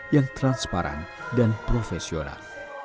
yang transparan dan profesional